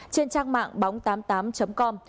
trên trang mạng bóng tám mươi tám com